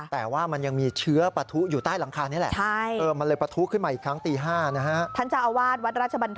แต่ว่ามันยังมีเชื้อปะทุอยู่ใต้หลังคานี้แหละ